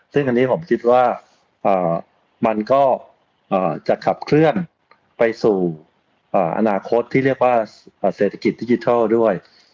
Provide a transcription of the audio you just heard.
ซึ่งอันนี้ผมคิดว่ามันก็จะขับเคลื่อนไปสู่อนาคตที่เรียกว่าเศรษฐกิจดิจิทัลด้วย